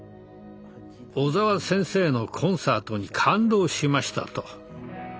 「小澤先生のコンサートに感動しました」と。